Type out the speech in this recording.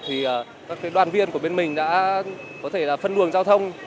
thì các đoàn viên của bên mình đã có thể là phân luồng giao thông